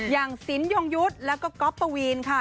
อย่างศิลป์ยงยุทธ์แล้วก็ก๊อฟปะวีนค่ะ